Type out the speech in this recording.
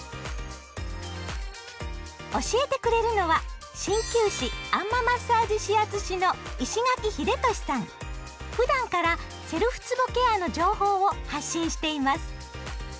教えてくれるのは鍼灸師あん摩マッサージ指圧師のふだんからセルフつぼケアの情報を発信しています。